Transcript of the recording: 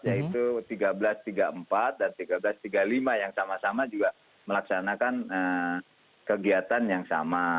yaitu seribu tiga ratus tiga puluh empat dan seribu tiga ratus tiga puluh lima yang sama sama juga melaksanakan kegiatan yang sama